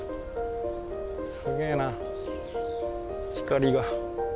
すげえな光が。